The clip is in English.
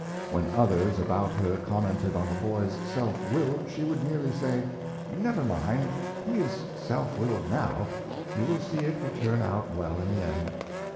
When others about her commented on the boy's self will, she would merely say, " Never mind — he is self willed now — you will see it will turn out well in the end."